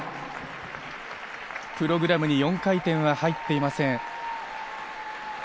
プログラムに４回転は入っていません。